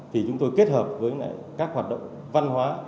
thì chúng tôi kết hợp với các hoạt động văn hóa